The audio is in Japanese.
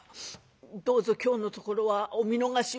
「どうぞ今日のところはお見逃しを」。